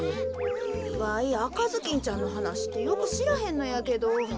わいあかずきんちゃんのはなしってよくしらへんのやけど。